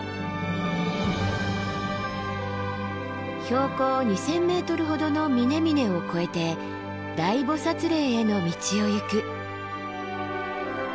標高２，０００ｍほどの峰々を越えて大菩嶺への道を行く。